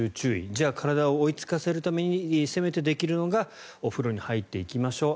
じゃあ、体を追いつかせるためにせめてできるのがお風呂に入っていきましょう。